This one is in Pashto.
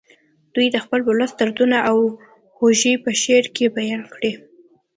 دوی د خپل ولس دردونه او خوښۍ په شعر کې بیان کړي